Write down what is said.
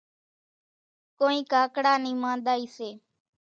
ڪونئين ڪاڪڙا نِي مانۮائِي سي۔